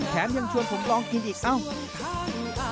แถมยังชวนผมลองกินอีกอ้าว